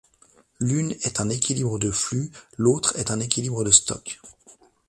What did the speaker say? L'une est un équilibre de flux, l'autre est un équilibre de stocks.